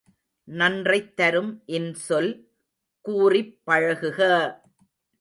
நன்றைத் தரும் இன்சொல் கூறிப் பழகுக!